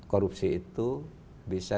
korupsi itu bisa